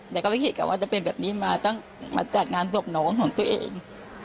แต่ก็ไม่เห็นกันว่าจะเป็นแบบนี้มามาจัดงานดวบน้องของตัวเอง